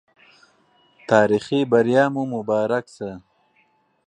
تاريخي بریا مو مبارک سه